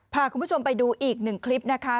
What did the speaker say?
พาคุณผู้ชมไปดูอีกหนึ่งคลิปนะคะ